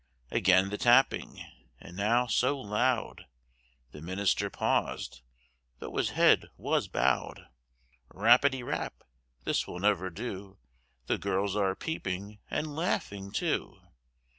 Again the tapping, and now so loud, The minister paused (though his head was bowed). Rappety rap! This will never do, The girls are peeping, and laughing too!